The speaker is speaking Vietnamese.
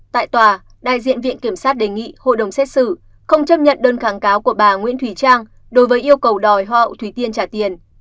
tại tòa đại diện viện kiểm sát đề nghị hội đồng xét xử không chấp nhận đơn kháng cáo của bà nguyễn thúy trang đối với yêu cầu đòi họ thủy tiên trả tiền